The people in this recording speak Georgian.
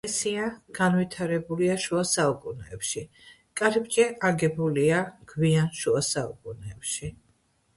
ეკლესია განვითარებულია შუა საუკუნეებში, კარიბჭე აგებულია გვიანი შუა საუკუნეებში.